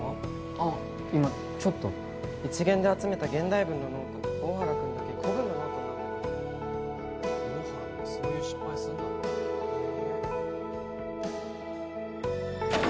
ああ今ちょっと１限で集めた現代文のノート大原君だけ古文のノートになってんだけど大原でもそういう失敗すんだなねえ